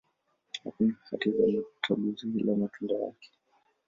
Hakuna hati za mtaguso, ila matunda yake.